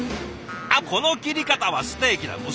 あっこの切り方はステーキだ。